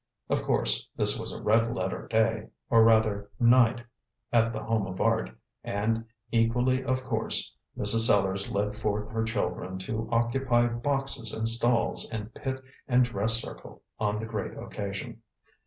Of course, this was a red letter day or, rather, night at The Home of Art, and equally of course, Mrs. Sellars led forth her children to occupy boxes and stalls and pit and dress circle on the great occasion.